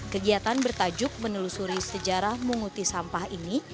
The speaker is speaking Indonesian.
kegiatan bertajuk menelusuri sejarah menguti sampah ini